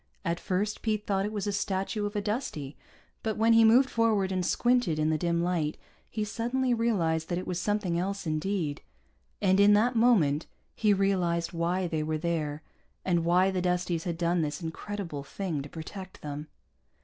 At first Pete thought it was a statue of a Dustie, but when he moved forward and squinted in the dim light, he suddenly realized that it was something else indeed. And in that moment he realized why they were there and why the Dusties had done this incredible thing to protect them.